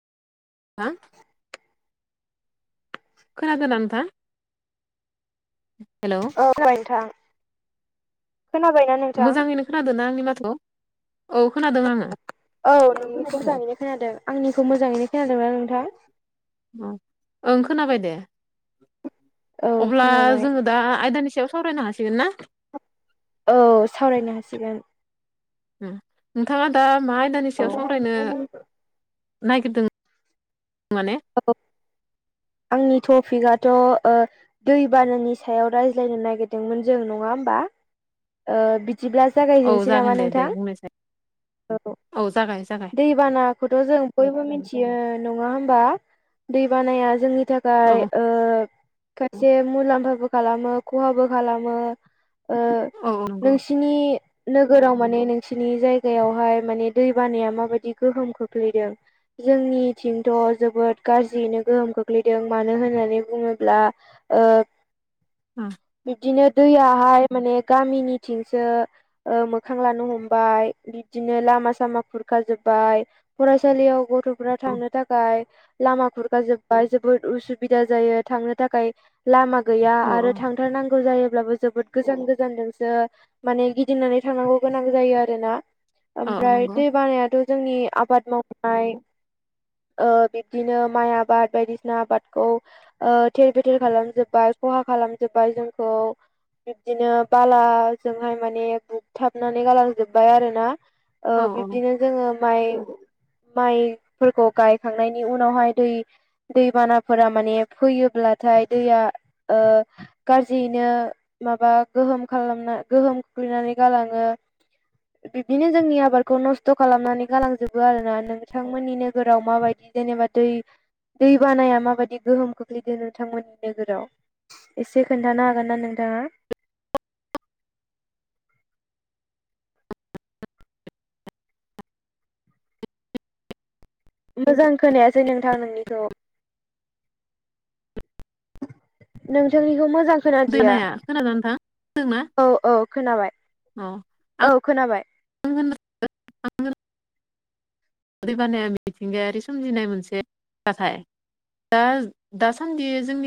हा खोनादों नथा हेल' औ थाबाय नोंथां खोनाबायना नोंथां? मोजाङैनो खोनादों ना आंनि माथो औ खोनादों आङो औ नोंनिखौ मोजाङैनो खोनादों आंनिखौ मोजाङैनो खोनादोंना नोंथाङा अ ओं खोनाबाय दे औ अब्ला खोनाबाय जोङो दा आयदानि सायाव सावरायनो हासिगोन ना औ सावरायनो हासिगोन नोंथाङा दा मा आयदानि औ सायाव सावरायनो नायागिरदों माने औ आंनि टपिकआथ' दै बानानि सायाव रायज्लायनो नागिरदोंमोन जों नङा होमबा बि जिब्ला औ जागायजेनसै जागोन नामा दे दे नोंथां बुंनायसाय औ जागाय जागाय दै बानाखौथ' जों बयबो मिथियो नङा होमबा दै बानाया जोंनि थाखाय औ खायसे मुलाम्फाबो खालामो खहाबो खालामो औ नंगौ नोंसि थिनि नोगोराव माने नोंसिनि जायगायावहाय माने दै बानाया माबायदि गोहोम खोख्लैदों जोंनिथिंथ' जोबोद गाज्रियैनो गोहोम खोख्लैदों मानो होननानै बुङोब्ला अ बिब्दिनो दैयाहाय माने गामिनिथिंसो मोखां लानो हमबाय बिदिनो लामा सामा खुरखाजोबबाय फरायसालियाव गथ'फोरा थांनो थाखाय लामा खुरखा जोबबाय जोबोद उसुबिदा जायो थांनो थाखाय लामा गैया औ आरो थां थारनांगौ जायोब्लाबो जोबोद गोजान गोजानजोंसो माने गिदिंनानै थांनांगौ गोनां जायो आरोना औ ओमफ्राय नंगौ दै बानायाथ' जोंनि आबाद मावनाय बिदिनो माइ आबाद बायदिसिना आबादखौ थेर बेथेर खालामजोब्बाय खहा खालामजोबबाय जोंखौ बिब्दिनो बालाजोंहाय माने बुगथाबनानै गालांजोबबाय आरो ना औ औ बिब्दिनो जोङो माइ माइफोरखौ गायखांनायनि नि उनावहाय दै दैबानाफोरा माने फैयोब्लाथाय दैया गाज्रियैनो माबा गोहोम खालामना गोहोम खोख्लैनानै गालाङो [unintelligible] बिब्दिनो जोंनि आबादखौ नस्थ' खालामनानै गालांजोबो आरोना नोंथांमोननि नोगोराव माबायदि जेनेबा दै दै बानाया माबायदि गोहोम खोख्लैदों नोंथांमोननि नोगोराव एसे खोन्थानो हागोन ना नोंथाङा? मोजां खोनायासै नोंथां नोंनिखौ। नोंथांनिखौ मोजां खोनादिया। दैबानाया खोनादोंना नोंथां औ औ खोनाबाय। मा औ खोनाबाय। थांदों दैबानाया मिथिंगायारि सोमजिनाय मोनसे जाथाय। दा दासान्दि जोंनि